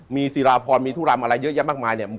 มีศิราพรมีทุรำอะไรเยอะแยะมากมายเนี่ย